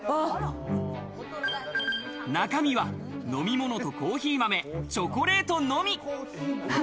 中身は飲み物とコーヒー豆、チョコレートのみ。